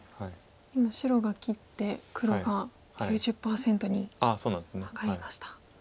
今白が切って黒が９０％に上がりました。